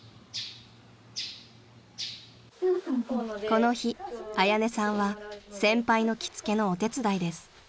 ［この日彩音さんは先輩の着付けのお手伝いです］